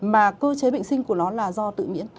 mà cơ chế bệnh sinh của nó là do tự miễn